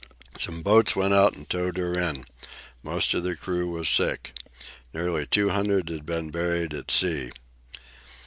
Some boats went out and towed her in. Most of the crew were sick. Nearly two hundred had been buried at sea.